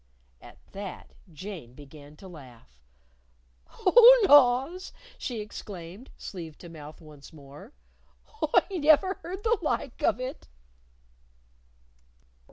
At that, Jane began to laugh "Oh, laws!" she exclaimed, sleeve to mouth once more. "Oh, I never heard the like of it!"